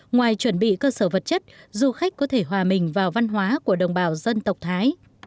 ngoài chuẩn bị cơ sở vật chất du khách có thể hòa mình vào văn hóa của đồng bào dân tộc thái